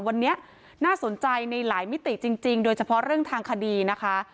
วันนี้น่าสนใจในหลายมิติจริงโดยเฉพาะเรื่องทางคดีนะคะ